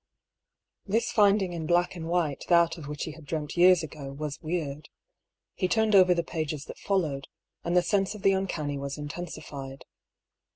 This finding in black and white that of which he had dreamt years ago was weird. He turned over the pages that followed, and the sense of the uncanny was intensified.